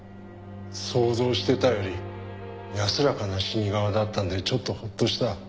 想像してたより安らかな死に顔だったんでちょっとホッとした。